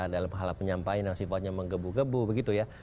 dalam hal penyampaian yang sifatnya menggebu gebu begitu ya